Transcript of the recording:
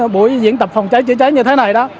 buổi diễn tập phòng cháy chữa cháy như thế này đó